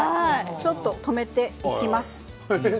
ちょっと留めていきます。